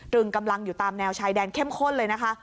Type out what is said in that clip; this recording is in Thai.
ึงกำลังอยู่ตามแนวชายแดนเข้มข้นเลยนะคะ